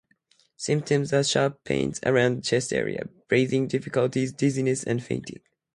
Symptoms are sharp pains around the chest area, breathing difficulties, dizziness, and fainting.